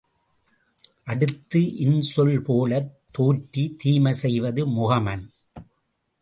அடுத்து இன்சொல்போலத் தோற்றித் தீமை செய்வது முகமன்.